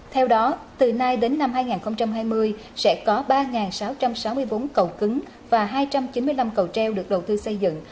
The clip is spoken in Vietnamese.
theo đó từ nay đến năm hai nghìn hai mươi sẽ có ba sáu trăm sáu mươi bốn cầu cứng và hai trăm chín mươi năm cầu treo được đầu tư xây dựng